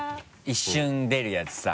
一瞬出るやつさ。